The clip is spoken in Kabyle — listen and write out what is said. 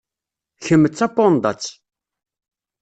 Kemm d tapandat.